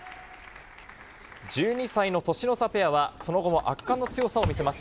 １２歳の年の差ペアは、その後も圧巻の強さを見せます。